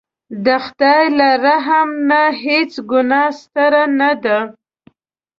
د خدای له رحم نه هېڅ ګناه ستره نه ده.